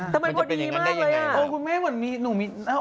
ทำไมพูดดีมากเลย